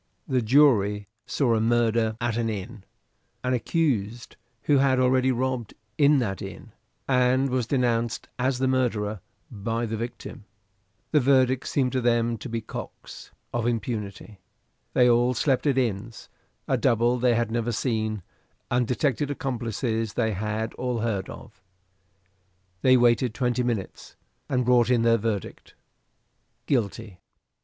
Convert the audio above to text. The jury saw a murder at an inn; an accused, who had already robbed in that inn, and was denounced as his murderer by the victim. The verdict seemed to them to be Cox, of impunity. They all slept at inns; a double they had never seen; undetected accomplices they had all heard of. They waited twenty minutes, and brought in their verdict Guilty.